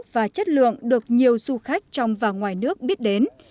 và chất lượng được nhiều du khách trong và ngoài nước biết đến